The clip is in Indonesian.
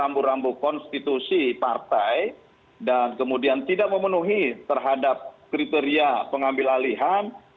rambu rambu konstitusi partai dan kemudian tidak memenuhi terhadap kriteria pengambil alihan